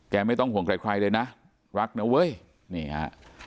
ไม่ต้องห่วงใครเลยนะรักนะเว้ยนี่ฮะ